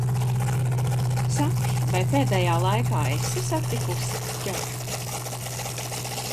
Saki, vai pēdējā laikā esi satikusi Džeju?